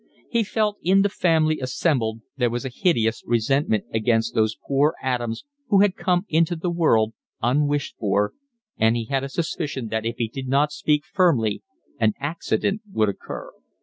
He felt in the family assembled there a hideous resentment against those poor atoms who had come into the world unwished for; and he had a suspicion that if he did not speak firmly an 'accident' would occur.